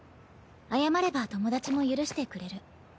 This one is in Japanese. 謝れば友達も許してくれる。